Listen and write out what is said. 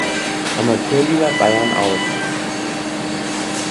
Amateurliga Bayern auf.